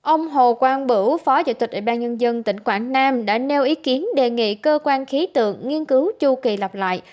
ông hồ quang bửu phó chủ tịch ủy ban nhân dân tỉnh quảng nam đã nêu ý kiến đề nghị cơ quan khí tượng nghiên cứu chu kỳ lặp lại